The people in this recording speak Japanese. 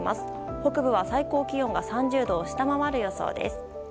北部は、最高気温が３０度を下回る予想です。